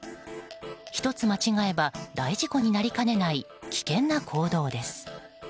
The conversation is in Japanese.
１つ間違えば大事故になりかねない危険な行動です。